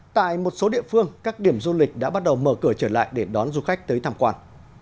tại một số địa phương các điểm du lịch đã bắt đầu mở cửa trở lại để đón du khách tới tham quan